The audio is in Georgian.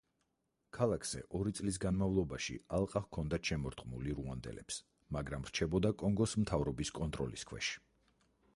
ქალაქზე ორი წლის განმავლობაში ალყა ჰქონდათ შემორტყმული რუანდელებს, მაგრამ რჩებოდა კონგოს მთავრობის კონტროლის ქვეშ.